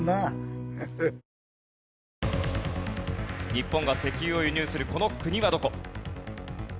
日本が石油を輸入するこの国はどこ？